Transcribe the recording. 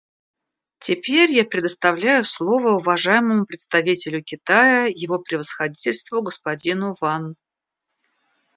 Теперь я предоставляю слово уважаемому представителю Китая его превосходительству господину Ван.